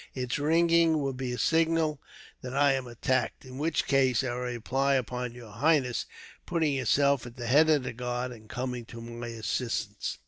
Its ringing will be a signal that I am attacked, in which case I rely upon your highness putting yourself at the head of the guard, and coming to my assistance."